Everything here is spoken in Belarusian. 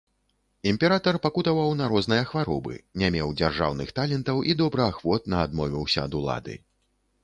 Імператар пакутаваў на розныя хваробы, не меў дзяржаўных талентаў і добраахвотна адмовіўся ад улады.